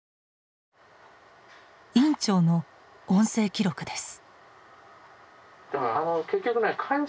院長の音声記録です。